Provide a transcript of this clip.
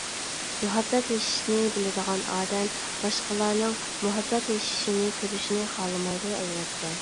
مۇھەببەتلىشىشنى بىلىدىغان ئادەم باشقىلارنىڭ مۇھەببەتلىشىشىنى كۆرۈشنى خالىمايدۇ، ئەلۋەتتە.